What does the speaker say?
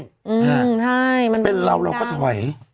ใช่มันดูด้านเป็นเราเราก็ถอย